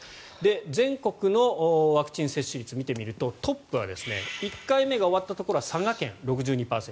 全国のワクチン接種率見てみるとトップは１回目が終わったところは佐賀県、６２％。